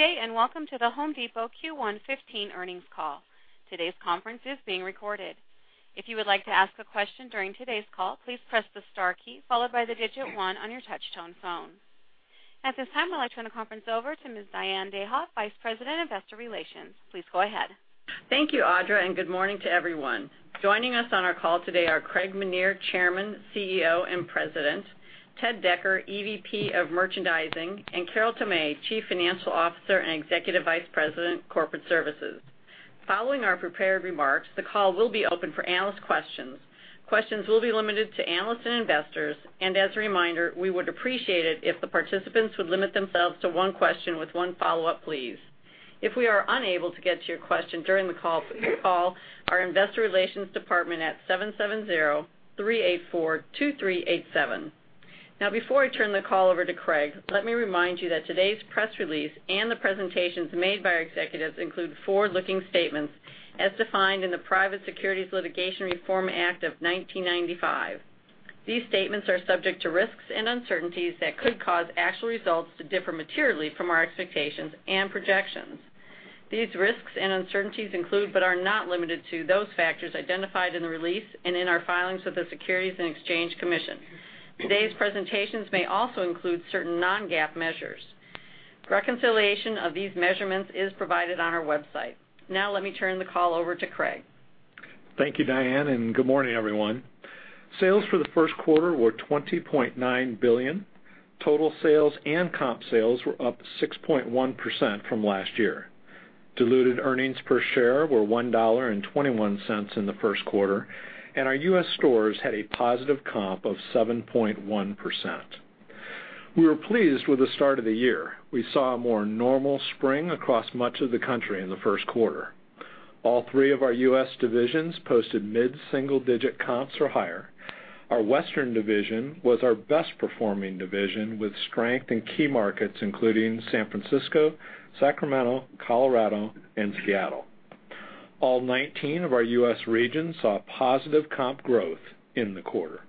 Good day. Welcome to The Home Depot Q1 2015 earnings call. Today's conference is being recorded. If you would like to ask a question during today's call, please press the star key followed by the digit 1 on your touch-tone phone. At this time, I'd like to turn the conference over to Ms. Diane Dayhoff, Vice President, Investor Relations. Please go ahead. Thank you, Audra. Good morning to everyone. Joining us on our call today are Craig Menear, Chairman, CEO, and President, Ted Decker, Executive Vice President of Merchandising, and Carol Tomé, Chief Financial Officer and Executive Vice President, Corporate Services. Following our prepared remarks, the call will be open for analyst questions. Questions will be limited to analysts and investors. As a reminder, we would appreciate it if the participants would limit themselves to one question with one follow-up, please. If we are unable to get to your question during the call, please call our investor relations department at 770-384-2387. Before I turn the call over to Craig, let me remind you that today's press release and the presentations made by our executives include forward-looking statements as defined in the Private Securities Litigation Reform Act of 1995. These statements are subject to risks and uncertainties that could cause actual results to differ materially from our expectations and projections. These risks and uncertainties include, but are not limited to, those factors identified in the release and in our filings with the Securities and Exchange Commission. Today's presentations may also include certain non-GAAP measures. Reconciliation of these measurements is provided on our website. Let me turn the call over to Craig. Thank you, Diane. Good morning, everyone. Sales for the first quarter were $20.9 billion. Total sales and comp sales were up 6.1% from last year. Diluted earnings per share were $1.21 in the first quarter. Our U.S. stores had a positive comp of 7.1%. We were pleased with the start of the year. We saw a more normal spring across much of the country in the first quarter. All three of our U.S. divisions posted mid-single digit comps or higher. Our Western division was our best performing division, with strength in key markets including San Francisco, Sacramento, Colorado, and Seattle. All 19 of our U.S. regions saw positive comp growth in the quarter.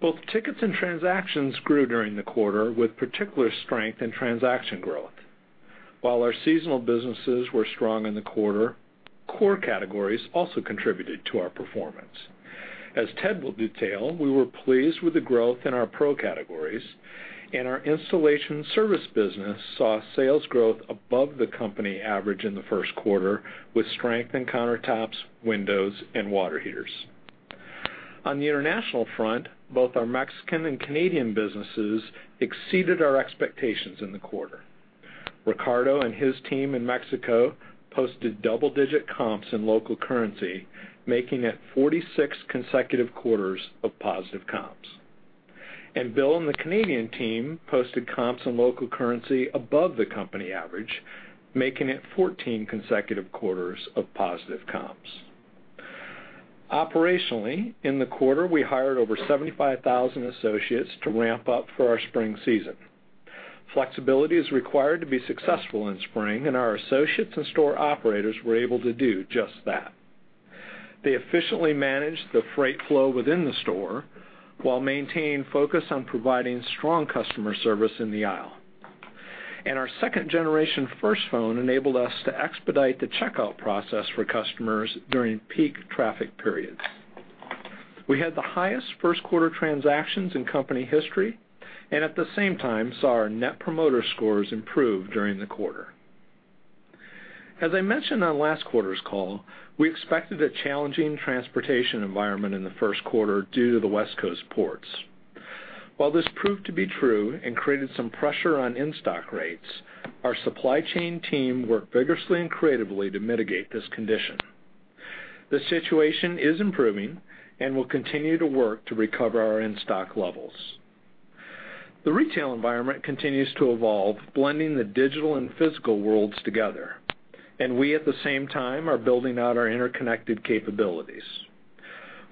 Both tickets and transactions grew during the quarter, with particular strength in transaction growth. While our seasonal businesses were strong in the quarter, core categories also contributed to our performance. As Ted will detail, we were pleased with the growth in our pro categories, and our installation service business saw sales growth above the company average in the first quarter, with strength in countertops, windows, and water heaters. On the international front, both our Mexican and Canadian businesses exceeded our expectations in the quarter. Ricardo and his team in Mexico posted double-digit comps in local currency, making it 46 consecutive quarters of positive comps. Bill and the Canadian team posted comps in local currency above the company average, making it 14 consecutive quarters of positive comps. Operationally, in the quarter, we hired over 75,000 associates to ramp up for our spring season. Flexibility is required to be successful in spring, our associates and store operators were able to do just that. They efficiently managed the freight flow within the store while maintaining focus on providing strong customer service in the aisle. Our second-generation FIRST Phone enabled us to expedite the checkout process for customers during peak traffic periods. We had the highest first-quarter transactions in company history, at the same time, saw our Net Promoter Scores improve during the quarter. As I mentioned on last quarter's call, we expected a challenging transportation environment in the first quarter due to the West Coast ports. While this proved to be true and created some pressure on in-stock rates, our supply chain team worked vigorously and creatively to mitigate this condition. The situation is improving, and we'll continue to work to recover our in-stock levels. The retail environment continues to evolve, blending the digital and physical worlds together, we at the same time are building out our interconnected capabilities.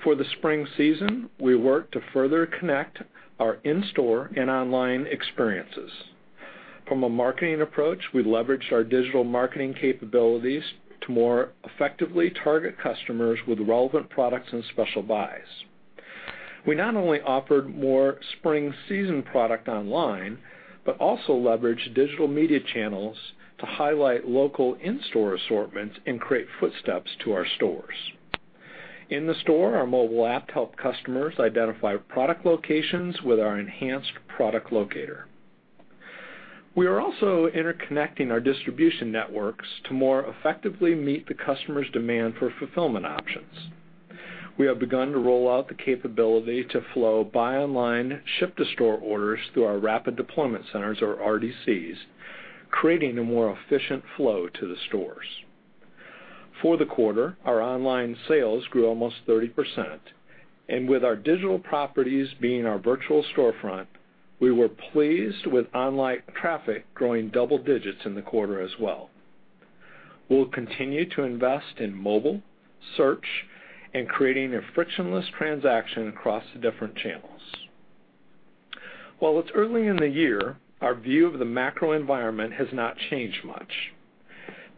For the spring season, we worked to further connect our in-store and online experiences. From a marketing approach, we leveraged our digital marketing capabilities to more effectively target customers with relevant products and special buys. We not only offered more spring season product online, but also leveraged digital media channels to highlight local in-store assortments and create footsteps to our stores. In the store, our mobile app helped customers identify product locations with our enhanced product locator. We are also interconnecting our distribution networks to more effectively meet the customer's demand for fulfillment options. We have begun to roll out the capability to flow buy online, ship to store orders through our rapid deployment centers, or RDCs, creating a more efficient flow to the stores. For the quarter, our online sales grew almost 30%, with our digital properties being our virtual storefront, we were pleased with online traffic growing double-digits in the quarter as well. We'll continue to invest in mobile, search, and creating a frictionless transaction across the different channels. While it's early in the year, our view of the macro environment has not changed much.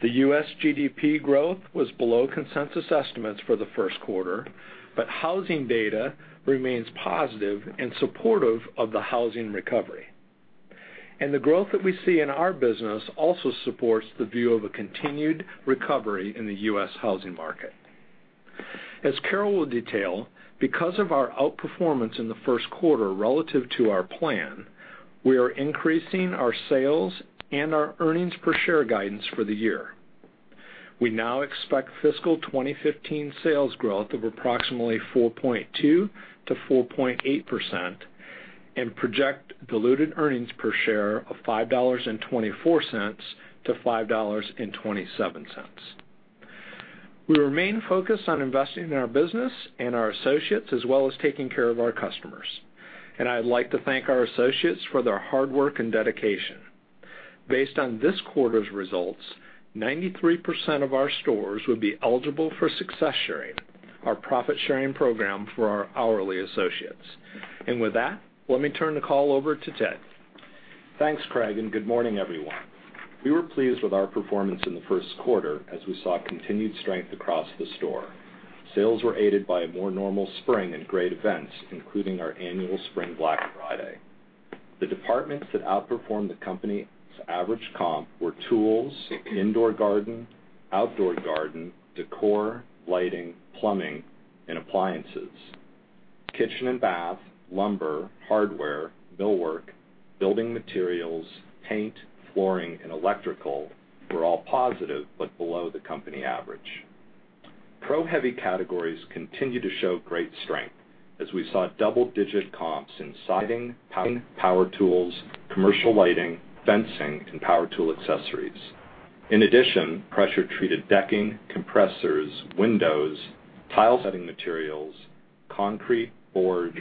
The U.S. GDP growth was below consensus estimates for the first quarter, housing data remains positive and supportive of the housing recovery. The growth that we see in our business also supports the view of a continued recovery in the U.S. housing market. As Carol will detail, because of our outperformance in the first quarter relative to our plan, we are increasing our sales and our earnings per share guidance for the year. We now expect fiscal 2015 sales growth of approximately 4.2%-4.8%, and project diluted earnings per share of $5.24-$5.27. We remain focused on investing in our business and our associates, as well as taking care of our customers. I'd like to thank our associates for their hard work and dedication. Based on this quarter's results, 93% of our stores would be eligible for Success Sharing, our profit-sharing program for our hourly associates. With that, let me turn the call over to Ted. Thanks, Craig. Good morning, everyone. We were pleased with our performance in the first quarter, as we saw continued strength across the store. Sales were aided by a more normal spring and great events, including our annual Spring Black Friday. The departments that outperformed the company's average comp were tools, indoor garden, outdoor garden, decor, lighting, plumbing, and appliances. Kitchen and bath, lumber, hardware, millwork, building materials, paint, flooring, and electrical were all positive, but below the company average. Pro heavy categories continue to show great strength, as we saw double-digit comps in siding, power tools, commercial lighting, fencing, and power tool accessories. In addition, pressure treated decking, compressors, windows, tile setting materials, concrete, boards,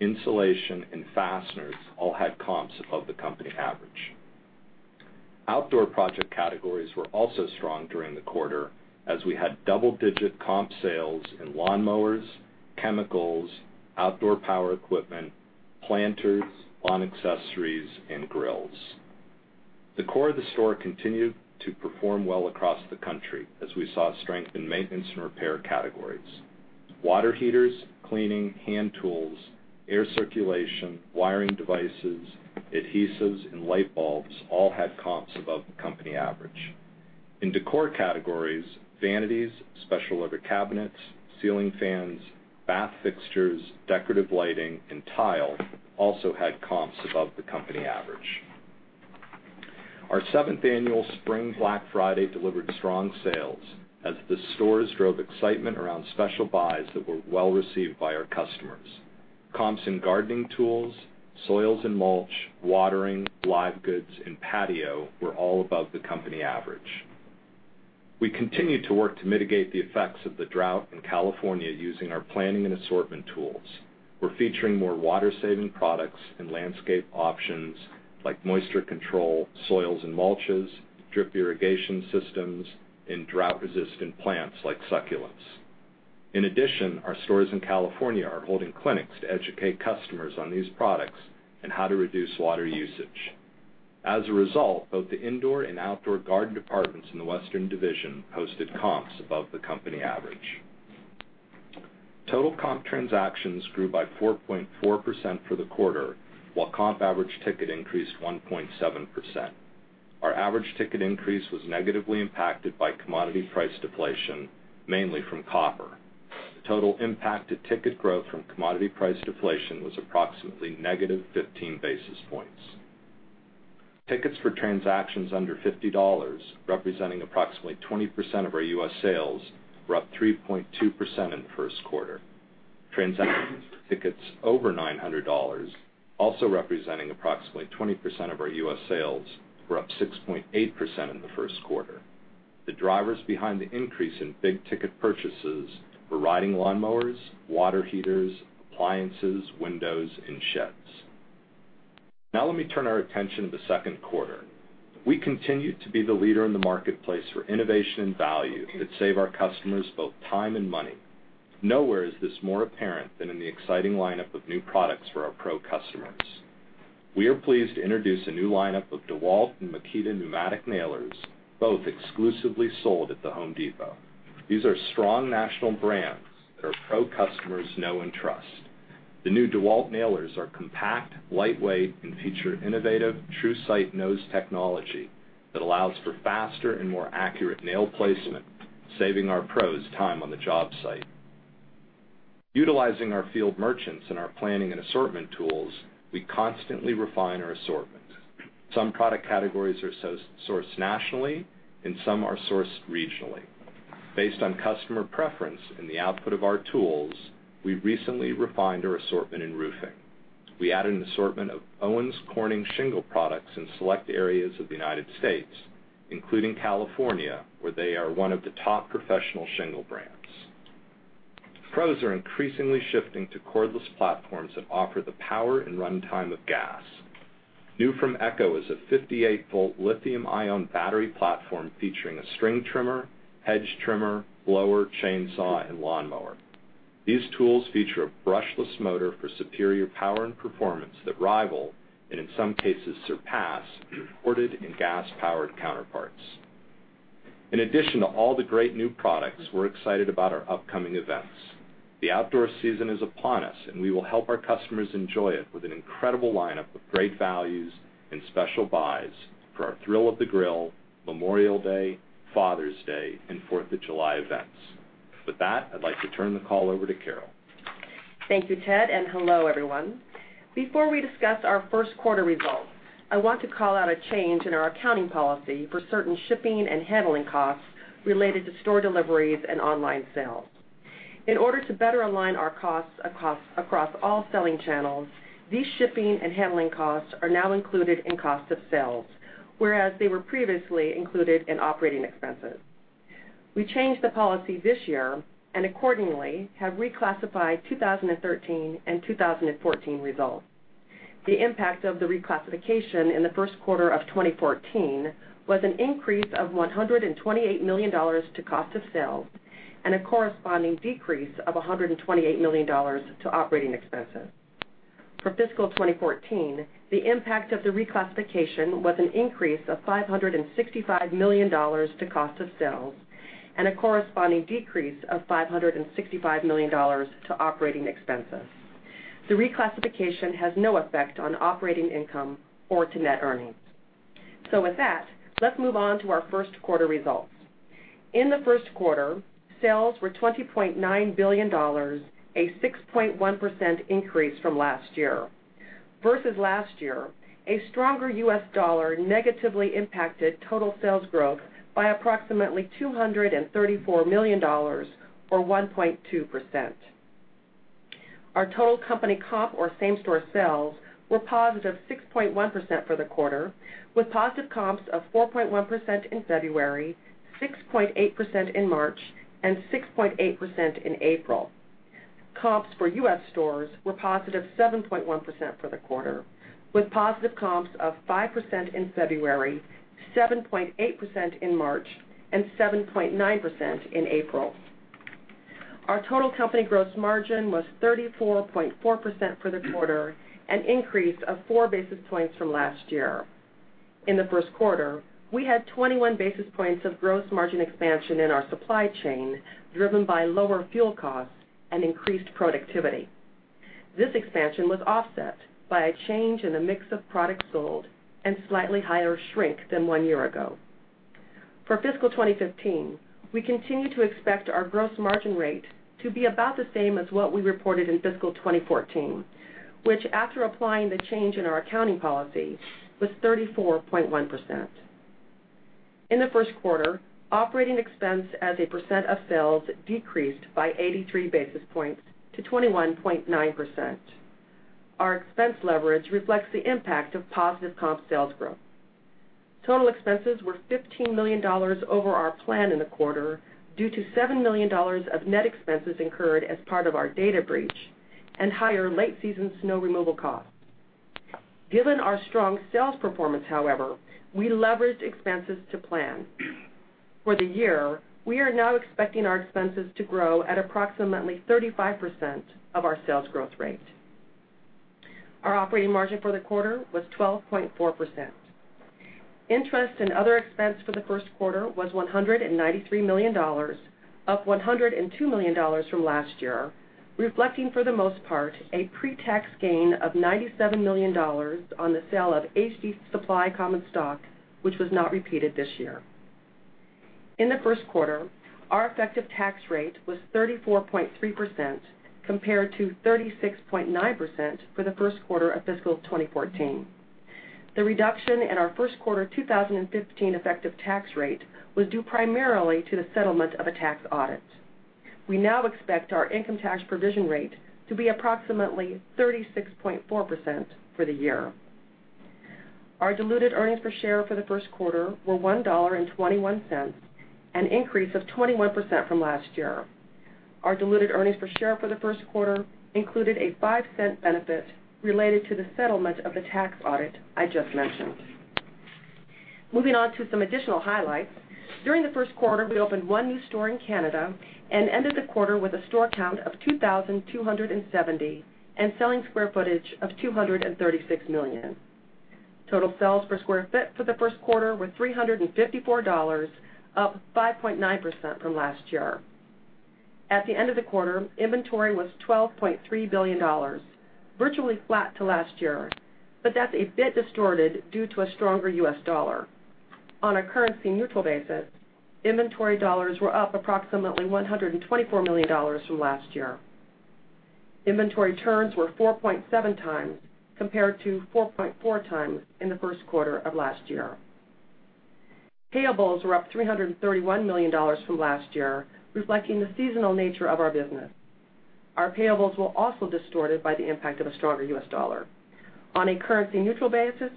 insulation, and fasteners all had comps above the company average. Outdoor project categories were also strong during the quarter, as we had double-digit comp sales in lawnmowers, chemicals, outdoor power equipment, planters, lawn accessories, and grills. The core of the store continued to perform well across the country, as we saw strength in maintenance and repair categories. Water heaters, cleaning, hand tools, air circulation, wiring devices, adhesives, and light bulbs all had comps above the company average. In decor categories, vanities, special order cabinets, ceiling fans, bath fixtures, decorative lighting, and tile also had comps above the company average. Our seventh annual Spring Black Friday delivered strong sales as the stores drove excitement around special buys that were well received by our customers. Comps in gardening tools, soils and mulch, watering, live goods, and patio were all above the company average. We continue to work to mitigate the effects of the drought in California using our planning and assortment tools. We're featuring more water-saving products and landscape options like moisture control, soils and mulches, drip irrigation systems, and drought-resistant plants like succulents. In addition, our stores in California are holding clinics to educate customers on these products and how to reduce water usage. As a result, both the indoor and outdoor garden departments in the Western Division posted comps above the company average. Total comp transactions grew by 4.4% for the quarter, while comp average ticket increased 1.7%. Our average ticket increase was negatively impacted by commodity price deflation, mainly from copper. The total impact to ticket growth from commodity price deflation was approximately negative 15 basis points. Tickets for transactions under $50, representing approximately 20% of our U.S. sales, were up 3.2% in the first quarter. Transactions for tickets over $900, also representing approximately 20% of our U.S. sales, were up 6.8% in the first quarter. The drivers behind the increase in big-ticket purchases were riding lawnmowers, water heaters, appliances, windows, and sheds. Let me turn our attention to the second quarter. We continue to be the leader in the marketplace for innovation and value that save our customers both time and money. Nowhere is this more apparent than in the exciting lineup of new products for our pro customers. We are pleased to introduce a new lineup of DEWALT and Makita pneumatic nailers, both exclusively sold at The Home Depot. These are strong national brands that our pro customers know and trust. The new DEWALT nailers are compact, lightweight, and feature innovative TruSight nose technology that allows for faster and more accurate nail placement, saving our pros time on the job site. Utilizing our field merchants and our planning and assortment tools, we constantly refine our assortment. Some product categories are sourced nationally and some are sourced regionally. Based on customer preference and the output of our tools, we recently refined our assortment in roofing. We added an assortment of Owens Corning shingle products in select areas of the United States, including California, where they are one of the top professional shingle brands. Pros are increasingly shifting to cordless platforms that offer the power and runtime of gas. New from Echo is a 58-volt lithium-ion battery platform featuring a string trimmer, hedge trimmer, blower, chainsaw, and lawnmower. These tools feature a brushless motor for superior power and performance that rival, and in some cases surpass, their corded and gas-powered counterparts. In addition to all the great new products, we're excited about our upcoming events. The outdoor season is upon us. We will help our customers enjoy it with an incredible lineup of great values and special buys for our Thrill of the Grill, Memorial Day, Father's Day, and Fourth of July events. With that, I'd like to turn the call over to Carol. Thank you, Ted. Hello, everyone. Before we discuss our first quarter results, I want to call out a change in our accounting policy for certain shipping and handling costs related to store deliveries and online sales. In order to better align our costs across all selling channels, these shipping and handling costs are now included in cost of sales, whereas they were previously included in operating expenses. We changed the policy this year. Accordingly, have reclassified 2013 and 2014 results. The impact of the reclassification in the first quarter of 2014 was an increase of $128 million to cost of sales and a corresponding decrease of $128 million to operating expenses. For fiscal 2014, the impact of the reclassification was an increase of $565 million to cost of sales and a corresponding decrease of $565 million to operating expenses. The reclassification has no effect on operating income or to net earnings. With that, let's move on to our first quarter results. In the first quarter, sales were $20.9 billion, a 6.1% increase from last year. Versus last year, a stronger U.S. dollar negatively impacted total sales growth by approximately $234 million, or 1.2%. Our total company comp or same-store sales were positive 6.1% for the quarter, with positive comps of 4.1% in February, 6.8% in March, and 6.8% in April. Comps for U.S. stores were positive 7.1% for the quarter, with positive comps of 5% in February, 7.8% in March, and 7.9% in April. Our total company gross margin was 34.4% for the quarter, an increase of four basis points from last year. In the first quarter, we had 21 basis points of gross margin expansion in our supply chain, driven by lower fuel costs and increased productivity. This expansion was offset by a change in the mix of products sold and slightly higher shrink than one year ago. For fiscal 2015, we continue to expect our gross margin rate to be about the same as what we reported in fiscal 2014, which, after applying the change in our accounting policy, was 34.1%. In the first quarter, operating expense as a percent of sales decreased by 83 basis points to 21.9%. Our expense leverage reflects the impact of positive comp sales growth. Total expenses were $15 million over our plan in the quarter, due to $7 million of net expenses incurred as part of our data breach and higher late season snow removal costs. Given our strong sales performance, however, we leveraged expenses to plan. For the year, we are now expecting our expenses to grow at approximately 35% of our sales growth rate. Our operating margin for the quarter was 12.4%. Interest and other expense for the first quarter was $193 million, up $102 million from last year, reflecting for the most part a pre-tax gain of $97 million on the sale of HD Supply common stock, which was not repeated this year. In the first quarter, our effective tax rate was 34.3% compared to 36.9% for the first quarter of fiscal 2014. The reduction in our first quarter 2015 effective tax rate was due primarily to the settlement of a tax audit. We now expect our income tax provision rate to be approximately 36.4% for the year. Our diluted earnings per share for the first quarter were $1.21, an increase of 21% from last year. Our diluted earnings per share for the first quarter included a $0.05 benefit related to the settlement of the tax audit I just mentioned. Moving on to some additional highlights. During the first quarter, we opened one new store in Canada and ended the quarter with a store count of 2,270 and selling square footage of 236 million. Total sales per square foot for the first quarter were $354, up 5.9% from last year. At the end of the quarter, inventory was $12.3 billion, virtually flat to last year. But that's a bit distorted due to a stronger U.S. dollar. On a currency-neutral basis, inventory dollars were up approximately $124 million from last year. Inventory turns were 4.7 times, compared to 4.4 times in the first quarter of last year. Payables were up $331 million from last year, reflecting the seasonal nature of our business. Our payables were also distorted by the impact of a stronger U.S. dollar. On a currency-neutral basis,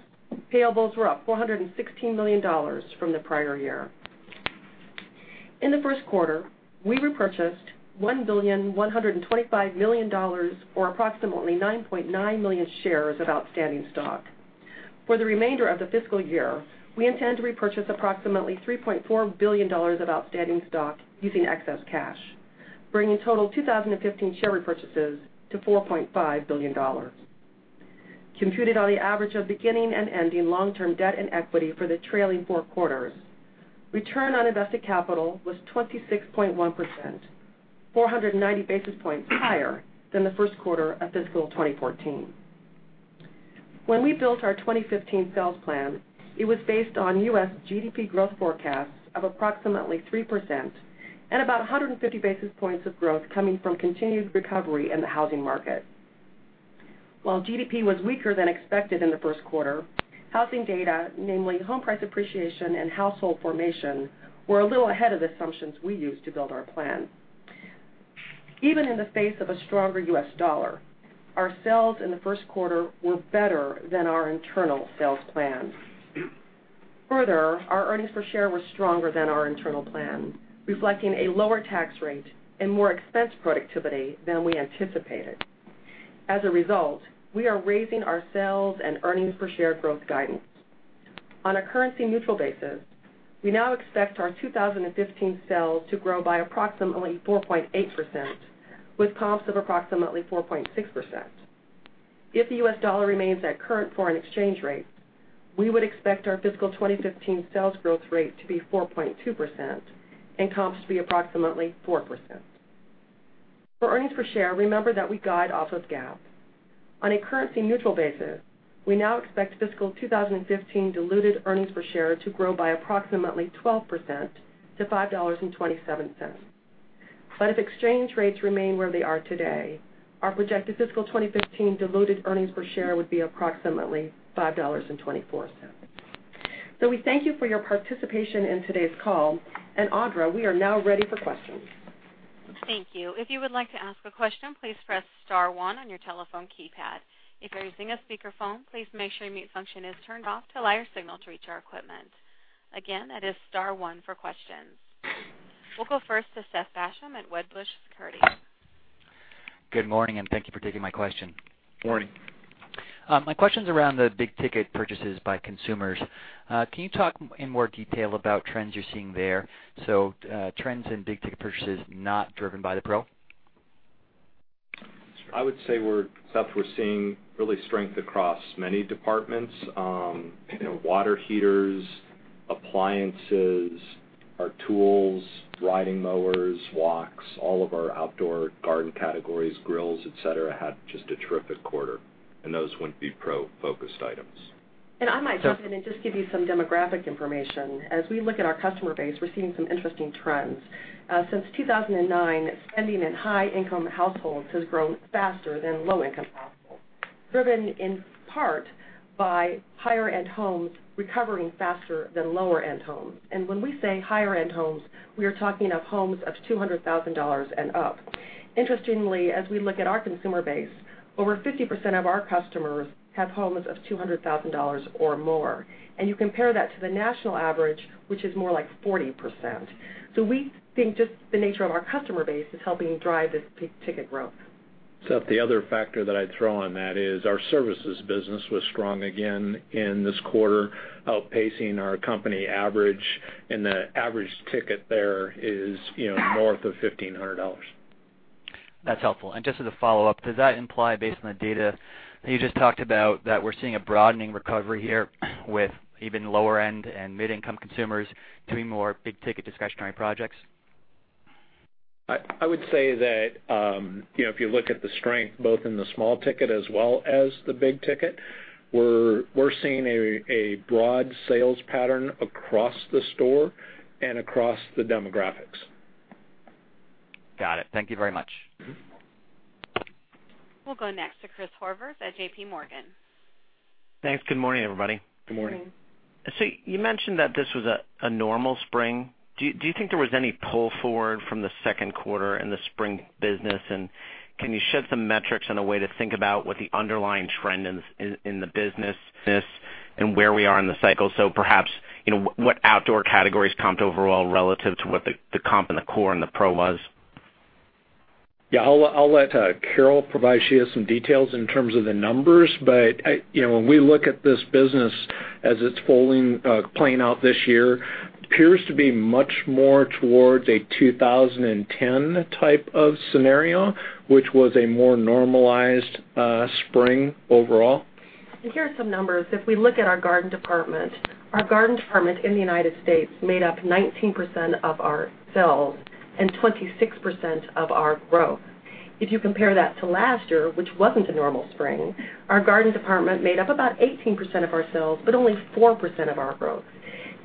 payables were up $416 million from the prior year. In the first quarter, we repurchased $1,125,000,000, or approximately 9.9 million shares of outstanding stock. For the remainder of the fiscal year, we intend to repurchase approximately $3.4 billion of outstanding stock using excess cash, bringing total 2015 share repurchases to $4.5 billion. Computed on the average of beginning and ending long-term debt and equity for the trailing four quarters, return on invested capital was 26.1%, 490 basis points higher than the first quarter of fiscal 2014. When we built our 2015 sales plan, it was based on U.S. GDP growth forecasts of approximately 3% and about 150 basis points of growth coming from continued recovery in the housing market. While GDP was weaker than expected in the first quarter, housing data, namely home price appreciation and household formation, were a little ahead of the assumptions we used to build our plan. Even in the face of a stronger U.S. dollar, our sales in the first quarter were better than our internal sales plan. Further, our earnings per share were stronger than our internal plan, reflecting a lower tax rate and more expense productivity than we anticipated. As a result, we are raising our sales and earnings per share growth guidance. On a currency-neutral basis, we now expect our 2015 sales to grow by approximately 4.8%, with comps of approximately 4.6%. If the U.S. dollar remains at current foreign exchange rates, we would expect our fiscal 2015 sales growth rate to be 4.2% and comps to be approximately 4%. For earnings per share, remember that we guide off of GAAP. On a currency-neutral basis, we now expect fiscal 2015 diluted earnings per share to grow by approximately 12% to $5.27. If exchange rates remain where they are today, our projected fiscal 2015 diluted earnings per share would be approximately $5.24. We thank you for your participation in today's call. Audra, we are now ready for questions. Thank you. We'll go first to Seth Basham at Wedbush Securities. Good morning, thank you for taking my question. Morning. My question's around the big-ticket purchases by consumers. Can you talk in more detail about trends you're seeing there? Trends in big-ticket purchases not driven by the pro. I would say, Seth, we're seeing really strength across many departments. Water heaters, appliances, our tools, riding mowers, walks, all of our outdoor garden categories, grills, et cetera, had just a terrific quarter. Those wouldn't be pro-focused items. I might jump in and just give you some demographic information. As we look at our customer base, we're seeing some interesting trends. Since 2009, spending in high-income households has grown faster than low-income households, driven in part by higher-end homes recovering faster than lower-end homes. When we say higher-end homes, we are talking of homes of $200,000 and up. Interestingly, as we look at our consumer base, over 50% of our customers have homes of $200,000 or more, and you compare that to the national average, which is more like 40%. We think just the nature of our customer base is helping drive this big-ticket growth. Seth, the other factor that I'd throw on that is our services business was strong again in this quarter, outpacing our company average, and the average ticket there is north of $1,500. That's helpful. Just as a follow-up, does that imply, based on the data that you just talked about, that we're seeing a broadening recovery here with even lower-end and mid-income consumers doing more big-ticket discretionary projects? I would say that, if you look at the strength both in the small ticket as well as the big ticket, we're seeing a broad sales pattern across the store and across the demographics. Got it. Thank you very much. We'll go next to Chris Horvers at JPMorgan. Thanks. Good morning, everybody. Good morning. Good morning. You mentioned that this was a normal spring. Do you think there was any pull forward from the second quarter in the spring business? Can you shed some metrics on a way to think about what the underlying trend in the business is and where we are in the cycle? Perhaps, what outdoor categories comped overall relative to what the comp in the core and the Pro was. Yeah, I'll let Carol provide. She has some details in terms of the numbers. When we look at this business as it's playing out this year, appears to be much more towards a 2010 type of scenario, which was a more normalized spring overall. Here are some numbers. If we look at our garden department, our garden department in the U.S. made up 19% of our sales and 26% of our growth. If you compare that to last year, which wasn't a normal spring, our garden department made up about 18% of our sales, but only 4% of our growth.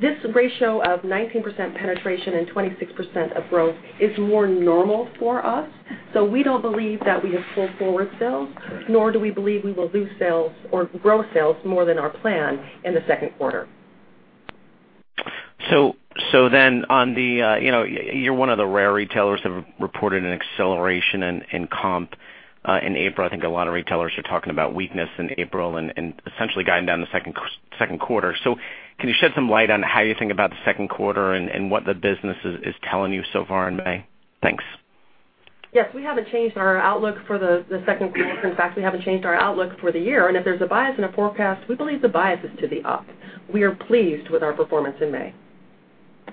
This ratio of 19% penetration and 26% of growth is more normal for us. We don't believe that we have pulled forward sales, nor do we believe we will lose sales or grow sales more than our plan in the second quarter. You're one of the rare retailers that have reported an acceleration in comp in April. I think a lot of retailers are talking about weakness in April and essentially guiding down the second quarter. Can you shed some light on how you think about the second quarter and what the business is telling you so far in May? Thanks. Yes, we haven't changed our outlook for the second quarter. In fact, we haven't changed our outlook for the year. If there's a bias in a forecast, we believe the bias is to the up. We are pleased with our performance in May.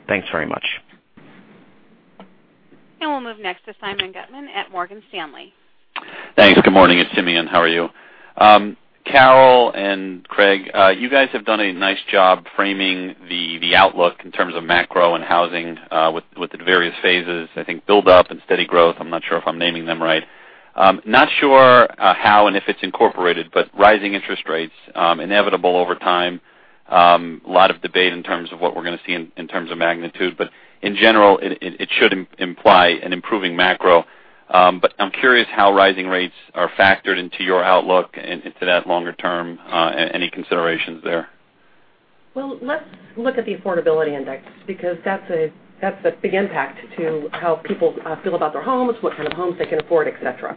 Thanks very much. We'll move next to Simeon Gutman at Morgan Stanley. Thanks. Good morning. It's Simeon. How are you? Carol and Craig, you guys have done a nice job framing the outlook in terms of macro and housing, with the various phases, I think build-up and steady growth. I'm not sure if I'm naming them right. Not sure how, and if it's incorporated, but rising interest rates, inevitable over time, a lot of debate in terms of what we're going to see in terms of magnitude, but in general, it should imply an improving macro. I'm curious how rising rates are factored into your outlook and into that longer term, any considerations there? Well, let's look at the affordability index, because that's a big impact to how people feel about their homes, what kind of homes they can afford, et cetera.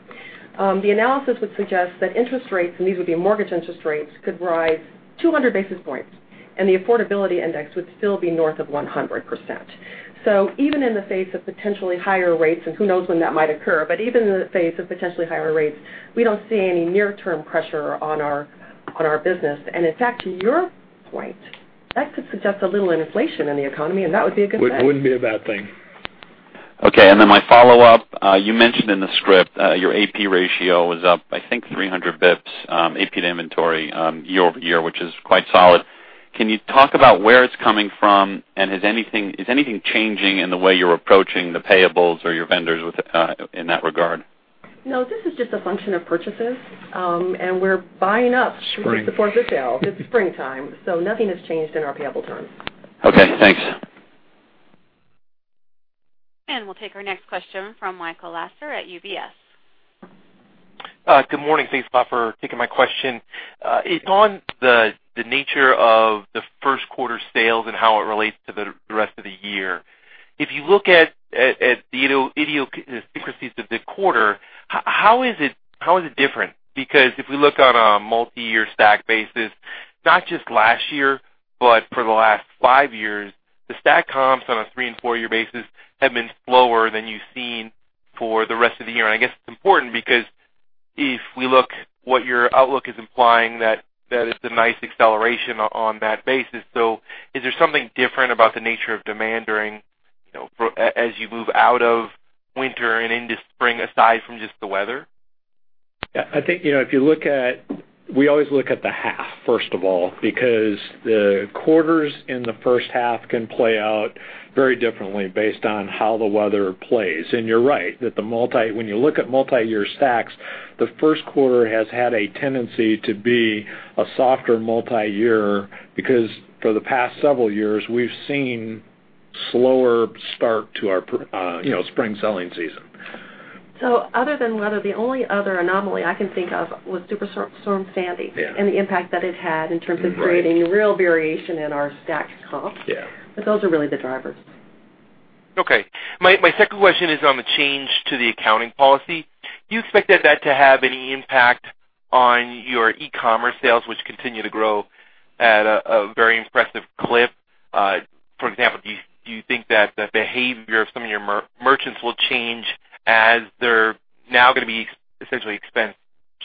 The analysis would suggest that interest rates, and these would be mortgage interest rates, could rise 200 basis points, and the affordability index would still be north of 100%. Even in the face of potentially higher rates, and who knows when that might occur, but even in the face of potentially higher rates, we don't see any near-term pressure on our business. In fact, to your point, that could suggest a little inflation in the economy, and that would be a good thing. Wouldn't be a bad thing. Okay. My follow-up, you mentioned in the script, your AP ratio was up, I think 300 basis points, AP to inventory, year-over-year, which is quite solid. Can you talk about where it's coming from, and is anything changing in the way you're approaching the payables or your vendors in that regard? No, this is just a function of purchases. We're buying up- Spring to support the sale. It's springtime, nothing has changed in our payable terms. Okay, thanks. We'll take our next question from Michael Lasser at UBS. Good morning. Thanks a lot for taking my question. It's on the nature of the first quarter sales and how it relates to the rest of the year. If you look at the idiosyncrasies of the quarter, how is it different? If we look on a multi-year stack basis, not just last year, but for the last five years, the stack comps on a three- and four-year basis have been slower than you've seen for the rest of the year. I guess it's important because if we look what your outlook is implying, that it's a nice acceleration on that basis. Is there something different about the nature of demand as you move out of winter and into spring, aside from just the weather? Yeah, I think, we always look at the half, first of all, because the quarters in the first half can play out very differently based on how the weather plays. You're right, when you look at multi-year stacks, the first quarter has had a tendency to be a softer multi-year because for the past several years, we've seen slower start to our spring selling season. Other than weather, the only other anomaly I can think of was Superstorm Sandy. Yeah the impact that it had in terms of. Right creating a real variation in our stacked comps. Yeah. Those are really the drivers. Okay. My second question is on the change to the accounting policy. Do you expect that to have any impact on your e-commerce sales, which continue to grow at a very impressive clip? For example, do you think that the behavior of some of your merchants will change as they're now going to be essentially expensed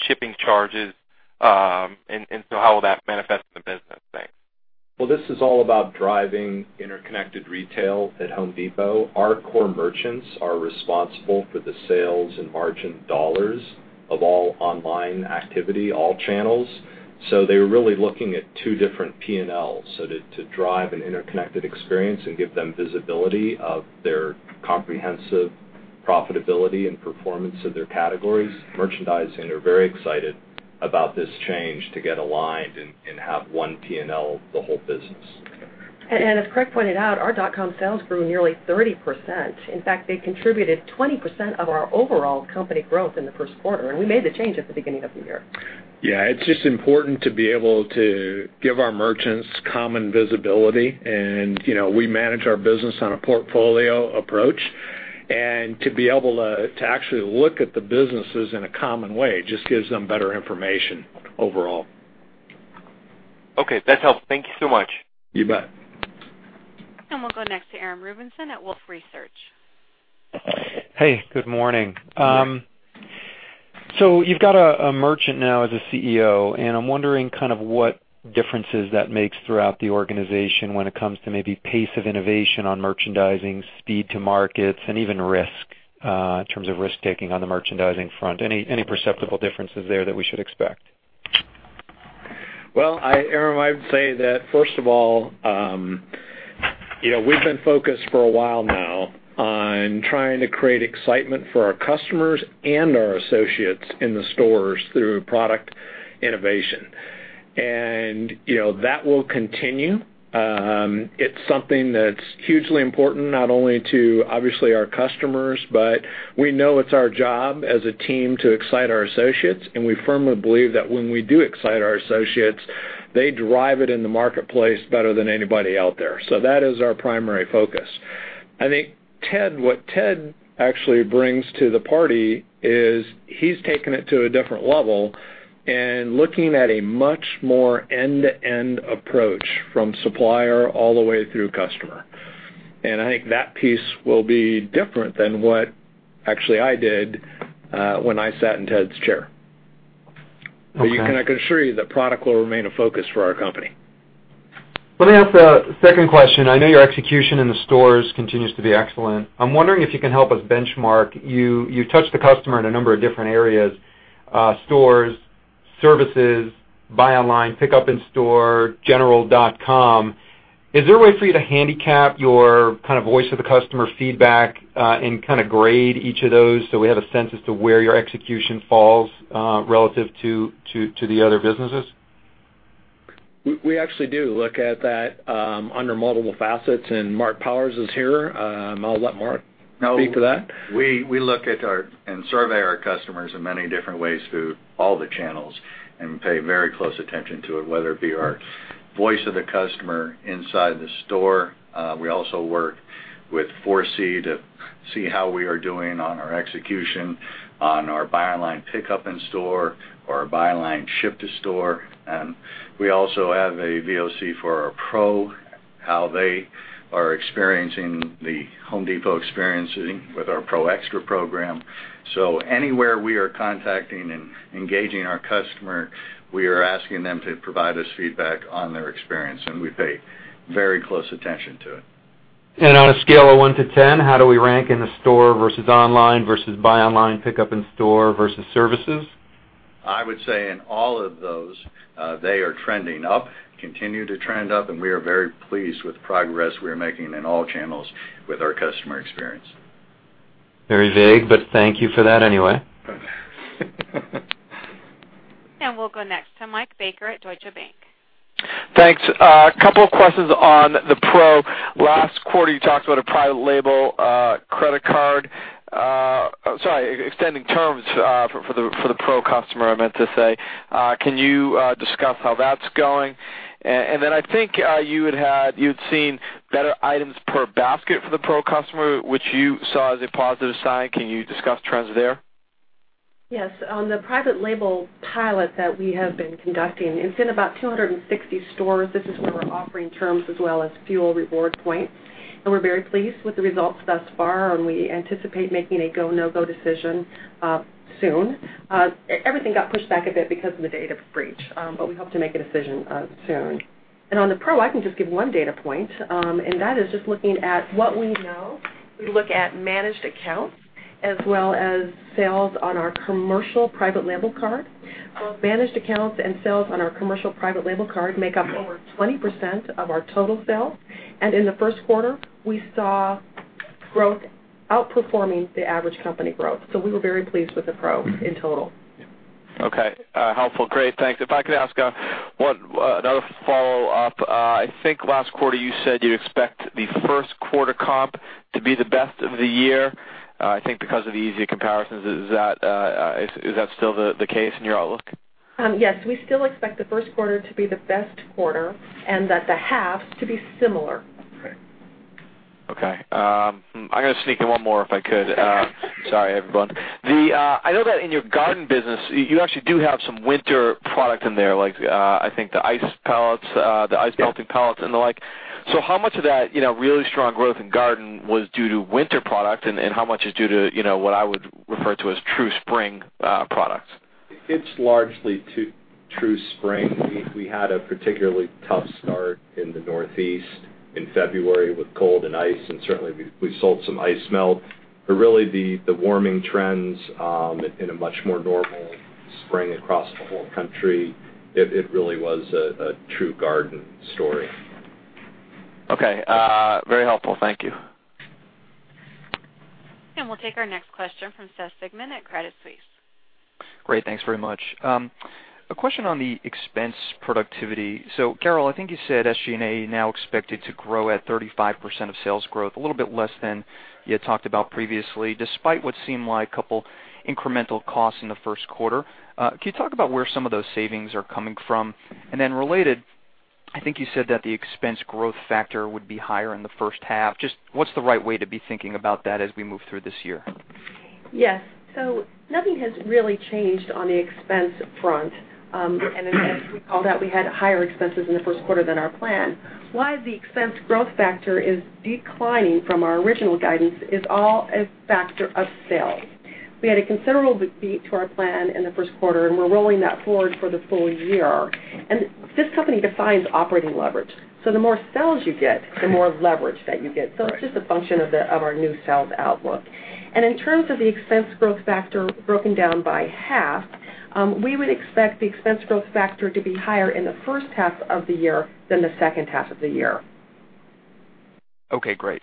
shipping charges? How will that manifest in the business? Thanks. Well, this is all about driving interconnected retail at The Home Depot. Our core merchants are responsible for the sales and margin dollars of all online activity, all channels. They're really looking at two different P&Ls. To drive an interconnected experience and give them visibility of their comprehensive profitability and performance of their categories. Merchandising are very excited about this change to get aligned and have one P&L the whole business. As Craig pointed out, our dotcom sales grew nearly 30%. In fact, they contributed 20% of our overall company growth in the first quarter, and we made the change at the beginning of the year. Yeah. It's just important to be able to give our merchants common visibility and we manage our business on a portfolio approach. To be able to actually look at the businesses in a common way just gives them better information overall. Okay. That helps. Thank you so much. You bet. We'll go next to Scott Mushkin at Wolfe Research. Hey, good morning. Good morning. You've got a merchant now as a CEO, and I'm wondering what differences that makes throughout the organization when it comes to maybe pace of innovation on merchandising, speed to markets, and even risk, in terms of risk-taking on the merchandising front. Any perceptible differences there that we should expect? Scott, I would say that, first of all, we've been focused for a while now on trying to create excitement for our customers and our associates in the stores through product innovation. That will continue. It's something that's hugely important, not only to obviously our customers, but we know it's our job as a team to excite our associates, and we firmly believe that when we do excite our associates, they drive it in the marketplace better than anybody out there. That is our primary focus. I think what Ted actually brings to the party is he's taken it to a different level and looking at a much more end-to-end approach from supplier all the way through customer. I think that piece will be different than what actually I did when I sat in Ted's chair. I can assure you that product will remain a focus for our company. Let me ask a second question. I know your execution in the stores continues to be excellent. I am wondering if you can help us benchmark. You touch the customer in a number of different areas, stores, services, buy online, pickup in store, homedepot.com. Is there a way for you to handicap your voice of the customer feedback and grade each of those so we have a sense as to where your execution falls relative to the other businesses? We actually do look at that under multiple facets, Marc Powers is here. I will let Marc speak to that. We look at and survey our customers in many different ways through all the channels and pay very close attention to it, whether it be our voice of the customer inside the store. We also work with ForeSee to see how we are doing on our execution, on our buy online pickup in store or our buy online ship to store. We also have a VOC for our pro, how they are experiencing The Home Depot experiencing with our Pro Xtra program. Anywhere we are contacting and engaging our customer, we are asking them to provide us feedback on their experience, and we pay very close attention to it. On a scale of one to 10, how do we rank in the store versus online versus buy online, pickup in store versus services? I would say in all of those, they are trending up, continue to trend up, and we are very pleased with the progress we are making in all channels with our customer experience. Very vague, thank you for that anyway. We'll go next to Michael Baker at Deutsche Bank. Thanks. A couple of questions on the Pro. Last quarter, you talked about a private label credit card, extending terms for the Pro customer, I meant to say. Can you discuss how that's going? I think you'd seen better items per basket for the Pro customer, which you saw as a positive sign. Can you discuss trends there? On the private label pilot that we have been conducting, it's in about 260 stores. This is where we're offering terms as well as fuel reward points. We're very pleased with the results thus far, and we anticipate making a go, no-go decision soon. Everything got pushed back a bit because of the data breach. We hope to make a decision soon. On the Pro, I can just give one data point, and that is just looking at what we know. We look at managed accounts as well as sales on our commercial private label card. Both managed accounts and sales on our commercial private label card make up over 20% of our total sales. In the first quarter, we saw growth outperforming the average company growth. We were very pleased with the Pro in total. Okay. Helpful. Great. Thanks. If I could ask another follow-up. I think last quarter you said you expect the first quarter comp to be the best of the year, I think because of the easier comparisons. Is that still the case in your outlook? We still expect the first quarter to be the best quarter and that the halves to be similar. Okay. I'm going to sneak in one more if I could. Sorry, everyone. I know that in your garden business, you actually do have some winter product in there, like, I think the ice pellets, the ice melting pellets and the like. How much of that really strong growth in garden was due to winter product and how much is due to what I would refer to as true spring products? It's largely true spring. We had a particularly tough start in the Northeast in February with cold and ice, and certainly, we sold some ice melt. Really the warming trends in a much more normal spring across the whole country, it really was a true garden story. Okay. Very helpful. Thank you. We'll take our next question from Seth Sigman at Credit Suisse. Great. Thanks very much. A question on the expense productivity. Carol, I think you said SG&A now expected to grow at 35% of sales growth, a little bit less than you had talked about previously, despite what seemed like a couple incremental costs in the first quarter. Can you talk about where some of those savings are coming from? Related, I think you said that the expense growth factor would be higher in the first half. Just what's the right way to be thinking about that as we move through this year? Yes. Nothing has really changed on the expense front. As we called out, we had higher expenses in the first quarter than our plan. Why the expense growth factor is declining from our original guidance is all a factor of sales. We had a considerable beat to our plan in the first quarter, and we're rolling that forward for the full year. This company defines operating leverage. The more sales you get, the more leverage that you get. It's just a function of our new sales outlook. In terms of the expense growth factor broken down by half, we would expect the expense growth factor to be higher in the first half of the year than the second half of the year. Okay, great.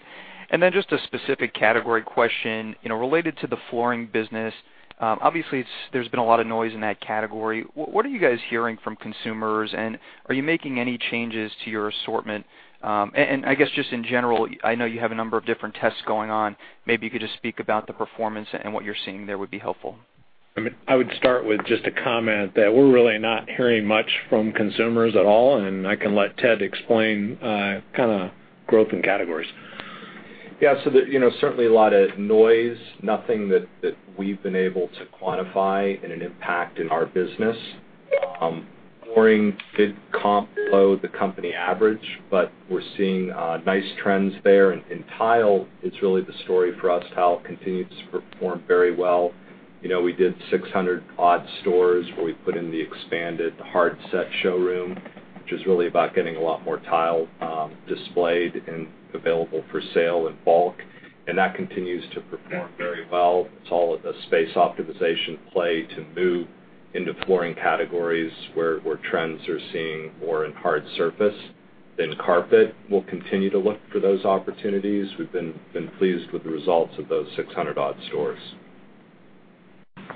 Just a specific category question related to the flooring business. Obviously, there's been a lot of noise in that category. What are you guys hearing from consumers, and are you making any changes to your assortment? I guess just in general, I know you have a number of different tests going on. Maybe you could just speak about the performance and what you're seeing there would be helpful. I would start with just a comment that we're really not hearing much from consumers at all. I can let Ted explain growth in categories. Yeah, certainly a lot of noise, nothing that we've been able to quantify in an impact in our business. Flooring did comp below the company average, but we're seeing nice trends there. In tile, it's really the story for us. Tile continues to perform very well. We did 600-odd stores where we put in the expanded hard set showroom, which is really about getting a lot more tile displayed and available for sale in bulk, and that continues to perform very well. It's all at the space optimization play to move into flooring categories where trends are seeing more in hard surface than carpet. We'll continue to look for those opportunities. We've been pleased with the results of those 600-odd stores.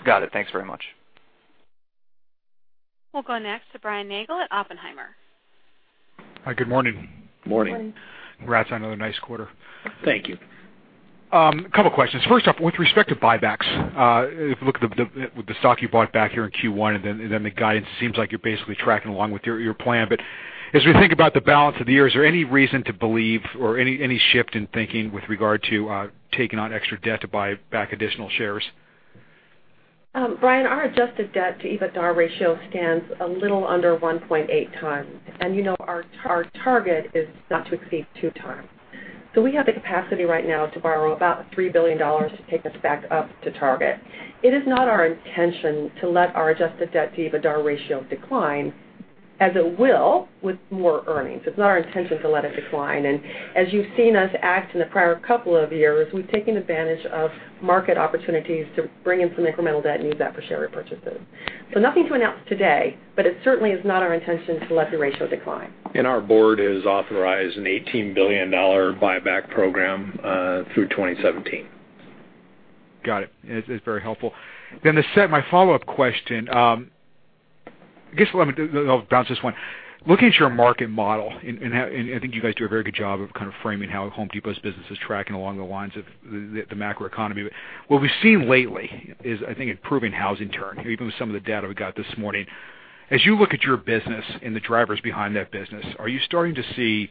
Got it. Thanks very much. We'll go next to Brian Nagel at Oppenheimer. Hi, good morning. Morning. Morning. Congrats on another nice quarter. Thank you. Couple questions. First off, with respect to buybacks, if you look at the stock you bought back here in Q1 and then the guidance, seems like you're basically tracking along with your plan. As we think about the balance of the year, is there any reason to believe or any shift in thinking with regard to taking on extra debt to buy back additional shares? Brian, our adjusted debt to EBITDA ratio stands a little under 1.8 times. You know our target is not to exceed two times. We have the capacity right now to borrow about $3 billion to take us back up to target. It is not our intention to let our adjusted debt to EBITDA ratio decline, as it will with more earnings. It's not our intention to let it decline, and as you've seen us act in the prior couple of years, we've taken advantage of market opportunities to bring in some incremental debt and use that for share repurchases. Nothing to announce today, but it certainly is not our intention to let the ratio decline. Our board has authorized an $18 billion buyback program through 2017. Got it. It's very helpful. To set my follow-up question, I guess I'll bounce this one. Looking at your market model, I think you guys do a very good job of framing how The Home Depot's business is tracking along the lines of the macroeconomy. What we've seen lately is, I think, improving housing turn, even with some of the data we got this morning. As you look at your business and the drivers behind that business, are you starting to see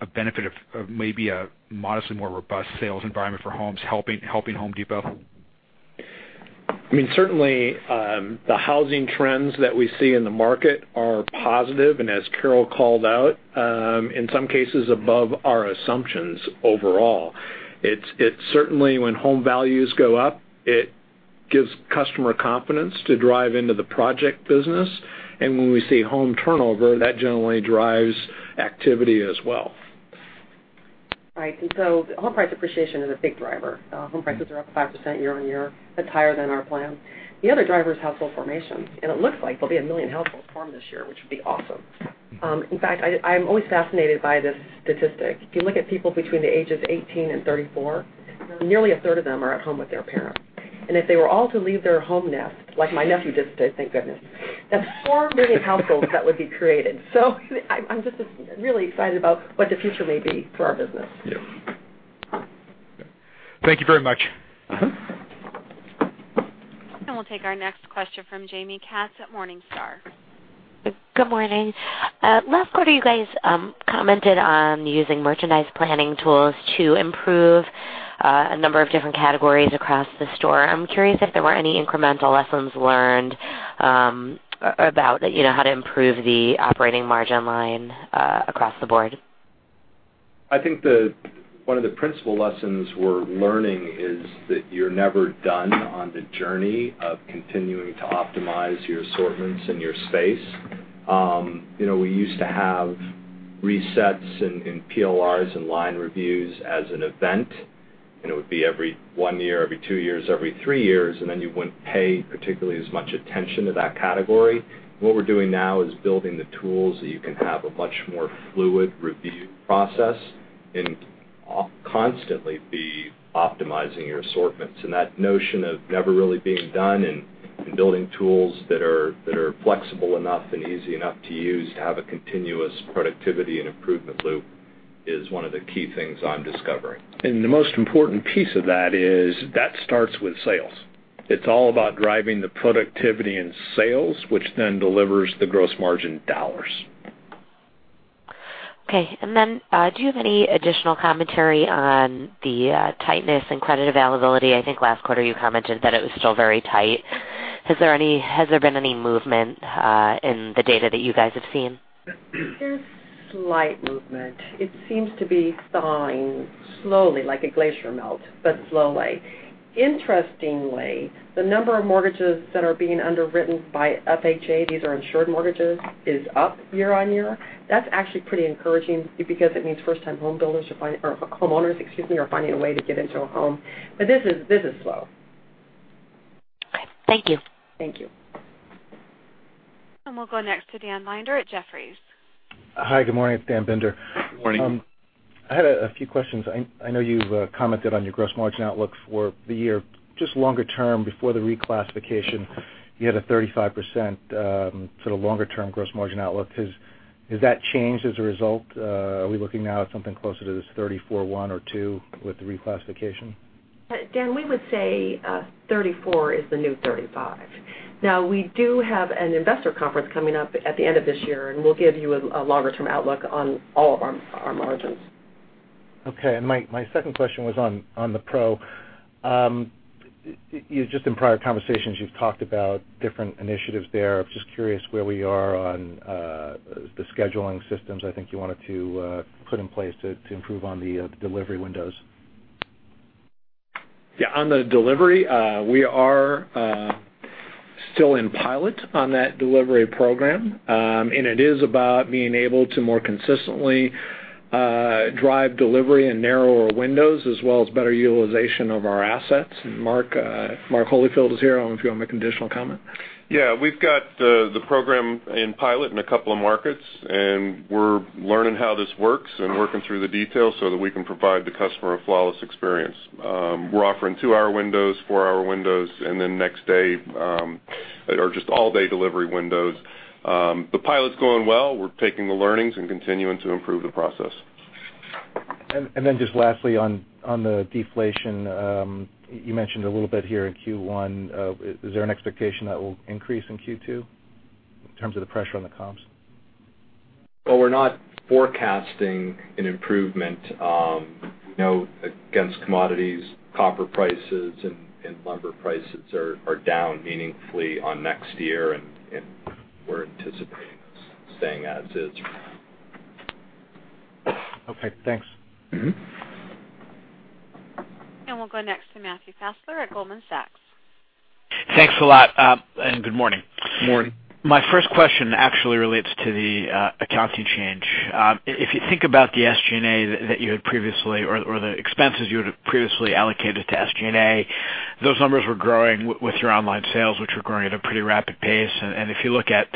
a benefit of maybe a modestly more robust sales environment for homes helping The Home Depot? Certainly, the housing trends that we see in the market are positive and, as Carol called out, in some cases above our assumptions overall. Certainly, when home values go up, it gives customer confidence to drive into the project business. When we see home turnover, that generally drives activity as well. Right. Home price appreciation is a big driver. Home prices are up 5% year-over-year. That's higher than our plan. The other driver is household formation, and it looks like there'll be 1 million households formed this year, which would be awesome. In fact, I am always fascinated by this statistic. If you look at people between the ages 18 and 34, nearly a third of them are at home with their parents. If they were all to leave their home nest, like my nephew just did, thank goodness. That's 4 million households that would be created. I'm just really excited about what the future may be for our business. Yeah. Thank you very much. We'll take our next question from Jaime Katz at Morningstar. Good morning. Last quarter, you guys commented on using merchandise planning tools to improve a number of different categories across the store. I'm curious if there were any incremental lessons learned about how to improve the operating margin line across the board. I think one of the principal lessons we're learning is that you're never done on the journey of continuing to optimize your assortments and your space. We used to have resets and PLRs and line reviews as an event, and it would be every one year, every two years, every three years, and then you wouldn't pay particularly as much attention to that category. What we're doing now is building the tools so you can have a much more fluid review process and constantly be optimizing your assortments. That notion of never really being done and building tools that are flexible enough and easy enough to use to have a continuous productivity and improvement loop is one of the key things I'm discovering. The most important piece of that is that starts with sales. It's all about driving the productivity in sales, which then delivers the gross margin dollars. Okay, do you have any additional commentary on the tightness in credit availability? I think last quarter you commented that it was still very tight. Has there been any movement in the data that you guys have seen? There's slight movement. It seems to be thawing slowly, like a glacier melt, but slowly. Interestingly, the number of mortgages that are being underwritten by FHA, these are insured mortgages, is up year-over-year. That's actually pretty encouraging because it means first-time homeowners are finding a way to get into a home. This is slow. Okay. Thank you. Thank you. We'll go next to Dan Binder at Jefferies. Hi, good morning. It's Dan Binder. Morning. I had a few questions. I know you've commented on your gross margin outlook for the year. Just longer term before the reclassification, you had a 35% longer-term gross margin outlook. Has that changed as a result? Are we looking now at something closer to this 34.1% or 2% with the reclassification? Dan, we would say 34 is the new 35. We do have an investor conference coming up at the end of this year, we'll give you a longer-term outlook on all of our margins. Okay. My second question was on the Pro. Just in prior conversations, you've talked about different initiatives there. I'm just curious where we are on the scheduling systems I think you wanted to put in place to improve on the delivery windows. Yeah. On the delivery, we are still in pilot on that delivery program. It is about being able to more consistently drive delivery in narrower windows, as well as better utilization of our assets. Mark Holifield is here if you want a conditional comment. Yeah. We've got the program in pilot in a couple of markets, we're learning how this works and working through the details so that we can provide the customer a flawless experience. We're offering two-hour windows, four-hour windows, then next day, or just all-day delivery windows. The pilot's going well. We're taking the learnings and continuing to improve the process. Just lastly on the deflation, you mentioned a little bit here in Q1, is there an expectation that will increase in Q2 in terms of the pressure on the comps? We're not forecasting an improvement. We know against commodities, copper prices, and lumber prices are down meaningfully on next year, and we're anticipating this staying as is for now. Okay, thanks. We'll go next to Matt Fassler at Goldman Sachs. Thanks a lot, good morning. Morning. My first question actually relates to the accounting change. If you think about the SG&A that you had previously or the expenses you had previously allocated to SG&A, those numbers were growing with your online sales, which were growing at a pretty rapid pace. If you look at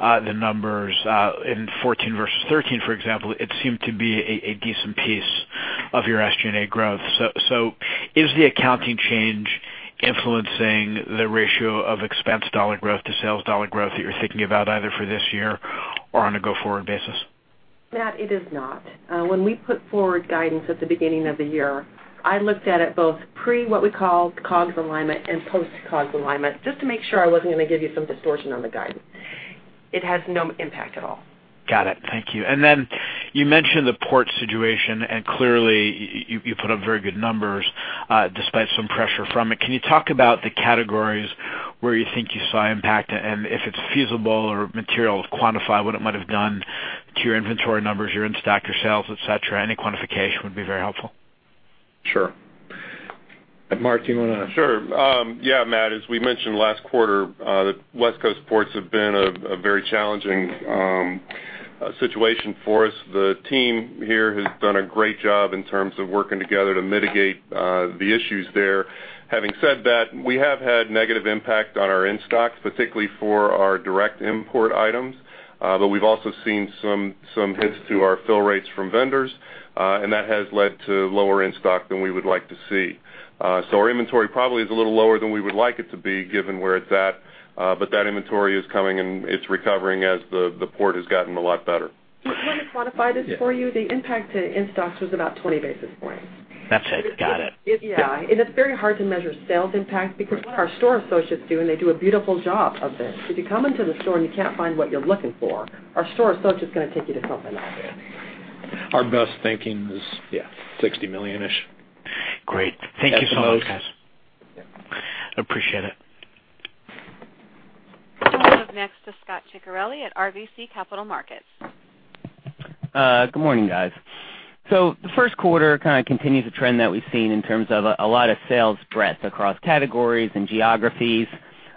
the numbers in 2014 versus 2013, for example, it seemed to be a decent piece of your SG&A growth. Is the accounting change influencing the ratio of expense dollar growth to sales dollar growth that you're thinking about either for this year or on a go-forward basis? Matt, it is not. When we put forward guidance at the beginning of the year, I looked at it both pre what we call COGS alignment and post-COGS alignment, just to make sure I wasn't going to give you some distortion on the guidance. It has no impact at all. Got it. Thank you. You mentioned the port situation, clearly, you put up very good numbers, despite some pressure from it. Can you talk about the categories where you think you saw impact and if it's feasible or material to quantify what it might have done to your inventory numbers, your in-stock, your sales, et cetera? Any quantification would be very helpful. Sure. Mark, do you want to? Sure. Yeah, Matt, as we mentioned last quarter, the West Coast ports have been a very challenging situation for us. The team here has done a great job in terms of working together to mitigate the issues there. Having said that, we have had negative impact on our in-stocks, particularly for our direct import items. We've also seen some hits to our fill rates from vendors, and that has led to lower in-stock than we would like to see. Our inventory probably is a little lower than we would like it to be, given where it's at. That inventory is coming, and it's recovering as the port has gotten a lot better. Do you want me to quantify this for you? Yeah. The impact to in-stocks was about 20 basis points. That's it. Got it. Yeah. It's very hard to measure sales impact because what our store Associates do, and they do a beautiful job of this, if you come into the store and you can't find what you're looking for, our store Associate's going to take you to something else. Our best thinking is $60 million-ish. Great. Thank you so much, guys. At the most. Appreciate it. We'll move next to Scot Ciccarelli at RBC Capital Markets. Good morning, guys. The first quarter kind of continues a trend that we've seen in terms of a lot of sales breadth across categories and geographies.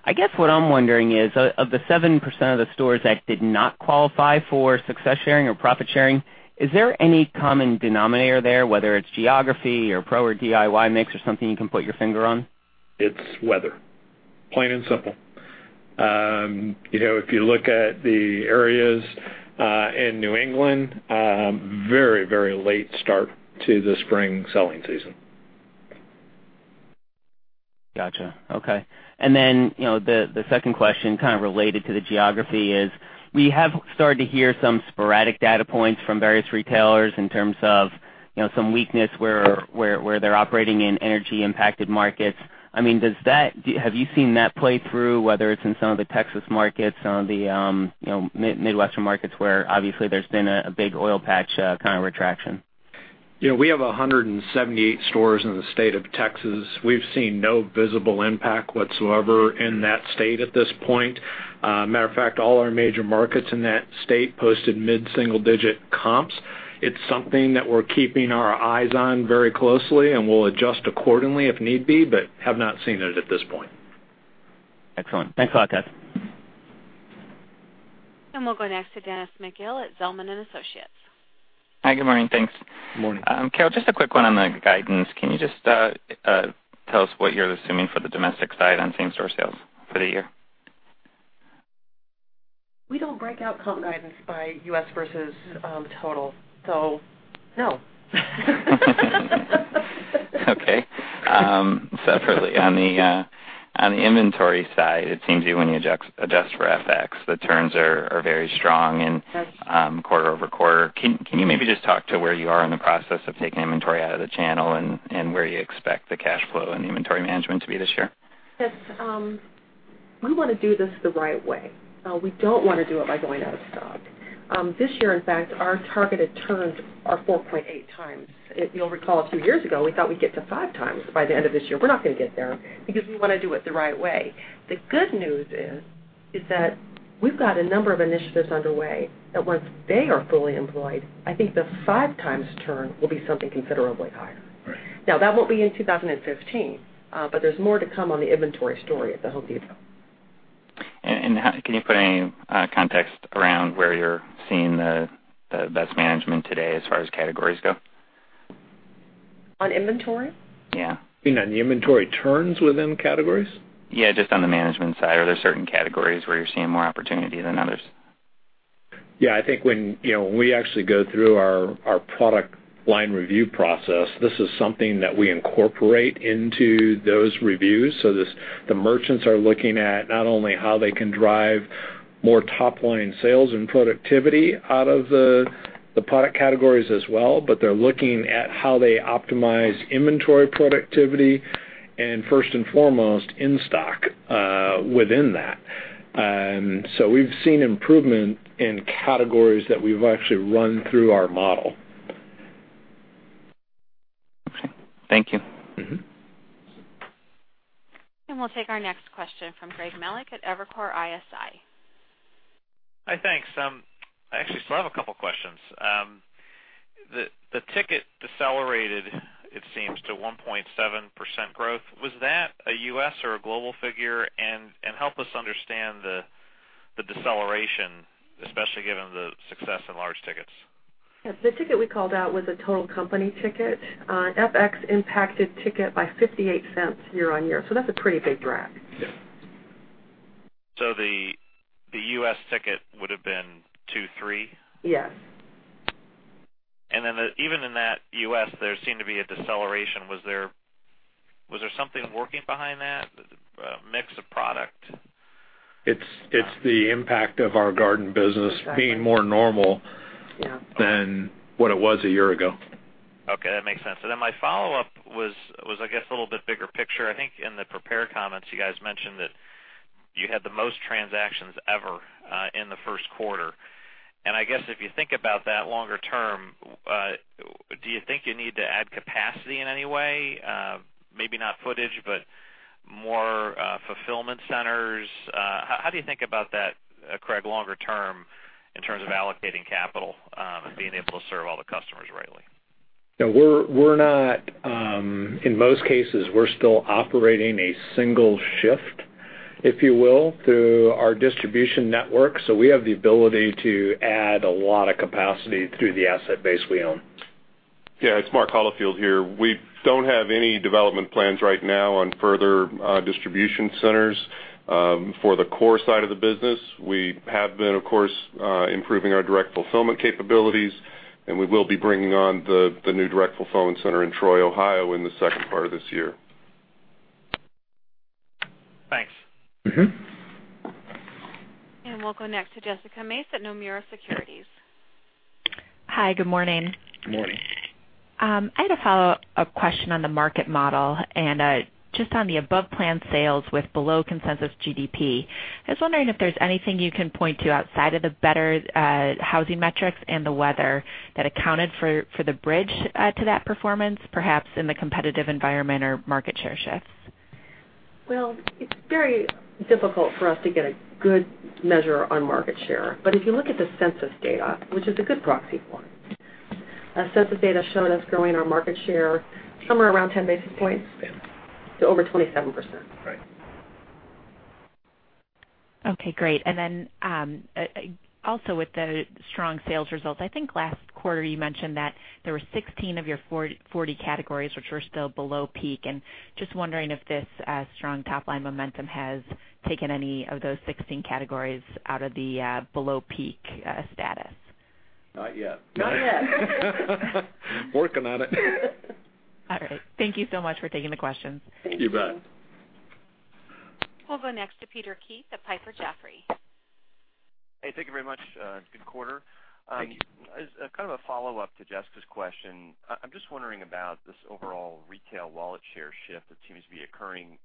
I guess what I'm wondering is, of the 7% of the stores that did not qualify for Success Sharing or profit sharing, is there any common denominator there, whether it's geography or pro or DIY mix or something you can put your finger on? It's weather, plain and simple. If you look at the areas in New England, very late start to the spring selling season. Gotcha. Okay. The second question kind of related to the geography is, we have started to hear some sporadic data points from various retailers in terms of some weakness where they're operating in energy-impacted markets. Have you seen that play through, whether it's in some of the Texas markets, some of the Midwestern markets, where obviously there's been a big oil patch kind of retraction? We have 178 stores in the state of Texas. We've seen no visible impact whatsoever in that state at this point. Matter of fact, all our major markets in that state posted mid-single-digit comps. It's something that we're keeping our eyes on very closely, and we'll adjust accordingly if need be, but have not seen it at this point. Excellent. Thanks a lot, guys. We'll go next to Dennis McGill at Zelman & Associates. Hi, good morning. Thanks. Morning. Carol, just a quick one on the guidance. Can you just tell us what you're assuming for the domestic side on same store sales for the year? We don't break out comp guidance by U.S. versus total. No. Okay. Separately, on the inventory side, it seems to when you adjust for FX, the turns are very strong. Yes quarter over quarter. Can you maybe just talk to where you are in the process of taking inventory out of the channel and where you expect the cash flow and the inventory management to be this year? We want to do this the right way. We don't want to do it by going out of stock. This year, in fact, our targeted turns are 4.8 times. If you'll recall, a few years ago, we thought we'd get to five times by the end of this year. We're not going to get there because we want to do it the right way. The good news is that we've got a number of initiatives underway that once they are fully employed, I think the five times turn will be something considerably higher. Right. That won't be in 2015, there's more to come on the inventory story at The Home Depot. Can you put any context around where you're seeing the best management today as far as categories go? On inventory? Yeah. You mean on the inventory turns within categories? Yeah, just on the management side. Are there certain categories where you're seeing more opportunity than others? Yeah, I think when we actually go through our Product Line Reviews process, this is something that we incorporate into those reviews. The merchants are looking at not only how they can drive more top-line sales and productivity out of the product categories as well, but they're looking at how they optimize inventory productivity and first and foremost, in-stock within that. We've seen improvement in categories that we've actually run through our model. Okay. Thank you. We'll take our next question from Greg Melich at Evercore ISI. Hi, thanks. I actually still have a couple questions. The ticket decelerated, it seems, to 1.7% growth. Was that a U.S. or a global figure? Help us understand the deceleration, especially given the success in large tickets. Yes, the ticket we called out was a total company ticket. FX impacted ticket by $0.58 year-over-year. That's a pretty big drag. Yeah. The U.S. ticket would have been two three? Yes. Even in that U.S., there seemed to be a deceleration. Was there something working behind that? A mix of product? It's the impact of our garden business being more normal- Yeah than what it was a year ago. Okay, that makes sense. Then my follow-up was, I guess, a little bit bigger picture. I think in the prepared comments, you guys mentioned that you had the most transactions ever, in the first quarter. I guess if you think about that longer term, do you think you need to add capacity in any way? Maybe not footage, but more fulfillment centers. How do you think about that, Craig, longer term in terms of allocating capital, and being able to serve all the customers rightly? In most cases, we're still operating a single shift, if you will, through our distribution network. We have the ability to add a lot of capacity through the asset base we own. Yeah. It's Mark Holifield here. We don't have any development plans right now on further distribution centers. For the core side of the business, we have been, of course, improving our direct fulfillment capabilities, and we will be bringing on the new direct fulfillment center in Troy, Ohio in the second part of this year. Thanks. We'll go next to Jessica Mace at Nomura Securities. Hi. Good morning. Good morning. I had a follow-up question on the market model, and just on the above-plan sales with below-consensus GDP. I was wondering if there's anything you can point to outside of the better housing metrics and the weather that accounted for the bridge to that performance, perhaps in the competitive environment or market share shifts. Well, it's very difficult for us to get a good measure on market share. If you look at the census data, which is a good proxy for it, census data showed us growing our market share somewhere around 10 basis points- Yeah to over 27%. Right. Okay, great. Then, also with the strong sales results, I think last quarter you mentioned that there were 16 of your 40 categories which were still below peak, and just wondering if this strong top-line momentum has taken any of those 16 categories out of the below-peak status. Not yet. Not yet. Working on it. All right. Thank you so much for taking the questions. Thank you. You bet. We'll go next to Peter Keith at Piper Jaffray. Hey, thank you very much. Good quarter. Thank you. As kind of a follow-up to Jessica Mace's question, I'm just wondering about this overall retail wallet share shift that seems to be occurring.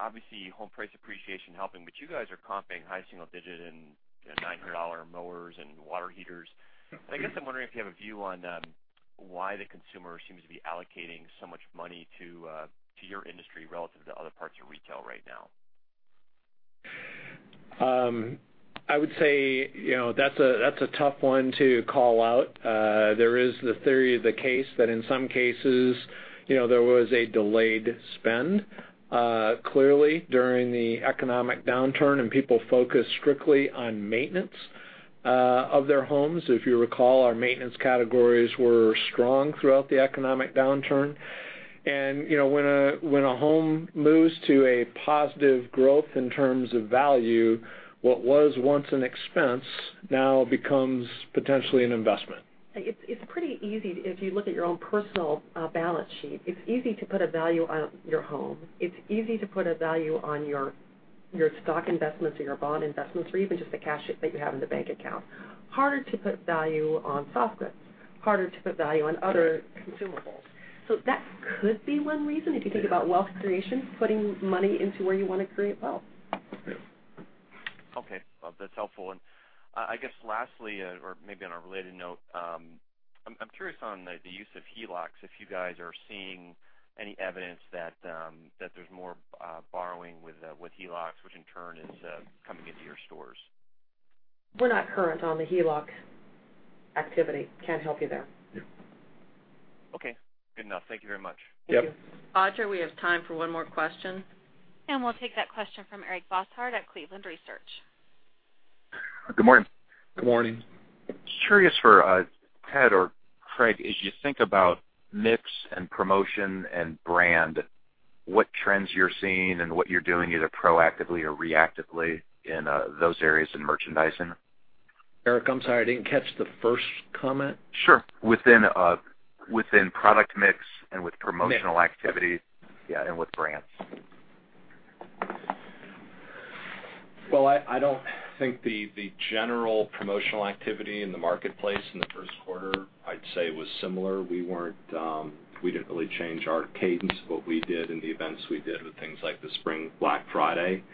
Obviously, home price appreciation helping, but you guys are comping high single digit in $900 mowers and water heaters. I guess I'm wondering if you have a view on why the consumer seems to be allocating so much money to your industry relative to other parts of retail right now. I would say that's a tough one to call out. There is the theory of the case that in some cases, there was a delayed spend, clearly during the economic downturn, and people focused strictly on maintenance of their homes. If you recall, our maintenance categories were strong throughout the economic downturn. When a home moves to a positive growth in terms of value, what was once an expense now becomes potentially an investment. It's pretty easy if you look at your own personal balance sheet. It's easy to put a value on your home. It's easy to put a value on your stock investments or your bond investments, or even just the cash that you have in the bank account. Harder to put value on soft goods, harder to put value on other consumables. That could be one reason if you think about wealth creation, putting money into where you want to create wealth. Yeah. Okay. Well, that's helpful. I guess lastly, or maybe on a related note, I'm curious on the use of HELOCs, if you guys are seeing any evidence that there's more borrowing with HELOCs, which in turn is coming into your stores. We're not current on the HELOC activity. Can't help you there. Yeah. Okay, good enough. Thank you very much. Yep. Thank you. Operator, we have time for one more question. We'll take that question from Eric Bosshard at Cleveland Research. Good morning. Good morning. Just curious for Ted or Craig, as you think about mix and promotion and brand, what trends you're seeing and what you're doing either proactively or reactively in those areas in merchandising. Eric, I'm sorry, I didn't catch the first comment. Sure. Within product mix and with promotional- Mix activities. With brands. Well, I don't think the general promotional activity in the marketplace in the first quarter, I'd say, was similar. We didn't really change our cadence, but we did in the events we did with things like the Spring Black Friday.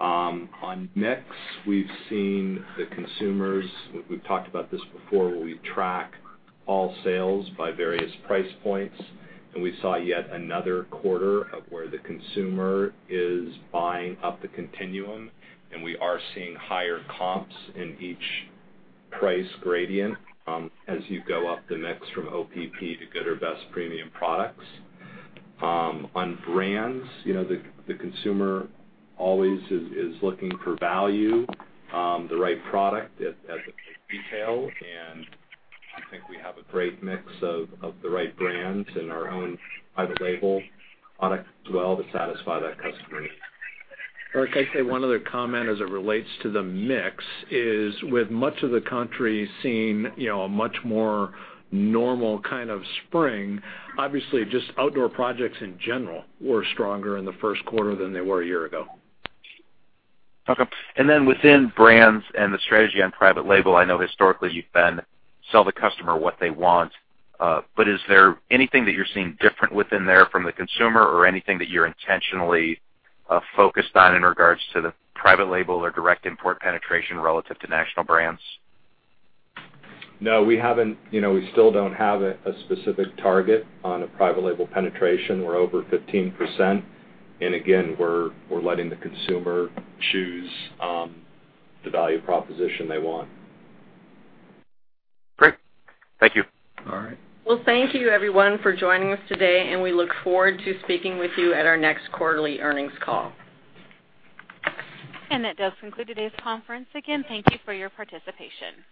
On mix, we've seen the consumers, we've talked about this before, where we track all sales by various price points, we saw yet another quarter of where the consumer is buying up the continuum, and we are seeing higher comps in each price gradient as you go up the mix from OPP to good or best premium products. On brands, the consumer always is looking for value, the right product at the detail. I think we have a great mix of the right brands and our own private label product as well to satisfy that customer. Eric, I'd say one other comment as it relates to the mix is with much of the country seeing a much more normal kind of spring, obviously, just outdoor projects in general were stronger in the first quarter than they were a year ago. Okay. Then within brands and the strategy on private label, I know historically you've been sell the customer what they want. Is there anything that you're seeing different within there from the consumer or anything that you're intentionally focused on in regards to the private label or direct import penetration relative to national brands? No. We still don't have a specific target on a private label penetration. We're over 15%. Again, we're letting the consumer choose the value proposition they want. Great. Thank you. All right. Well, thank you everyone for joining us today, and we look forward to speaking with you at our next quarterly earnings call. That does conclude today's conference. Again, thank you for your participation.